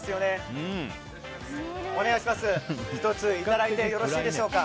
１ついただいてよろしいでしょうか。